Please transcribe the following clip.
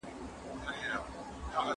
موږ ټول په خپل کلتور کې یو ځای یو.